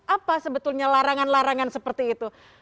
apa sebetulnya larangan larangan seperti itu